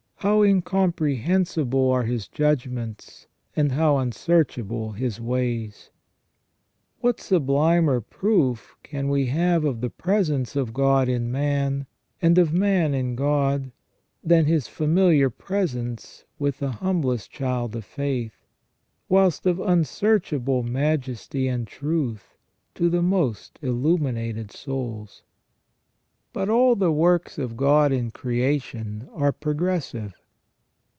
How incomprehensible are His judgments, and how unsearchable His ways ?" What sublimer proof can we have of the presence of God in man, and of man in God, than His iamiliar presence with the humblest child of faith, whilst of unsearchable majesty and truth to the most illuminated souls ? But all the works of God in creation are progressive.